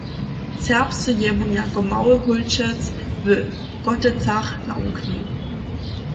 Serbsce je wón jako mały hólčec w Kotecach nawuknył.